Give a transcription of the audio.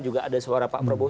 juga ada suara pak prabowo